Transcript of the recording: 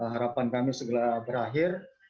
harapan kami segera berakhir